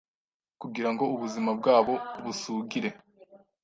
kugirango ubuzima bwabo busugire